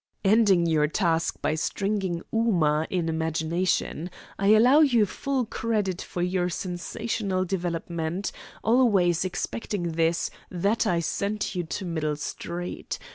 "Ending your task by stringing Ooma, in imagination. I allow you full credit for your sensational development always excepting this, that I sent you to Middle Street.